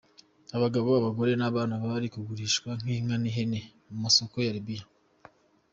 Abagabo, abagore n’abana bari kugurishwa nk’inka n’ihene mu masoko ya Libya.